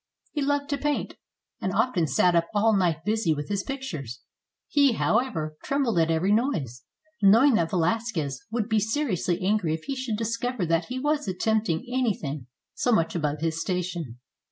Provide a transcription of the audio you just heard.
He loved to paint, and often sat up all night busy with his pictures. He, how ever, trembled at every noise, knowing that Velasquez would be seriously angry if he should discover that he was attempting anything so much above his station.